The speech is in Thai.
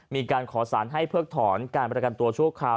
มีการขอสารให้เผิกถอนการบริการตัวแชวนที่ช่วงคราว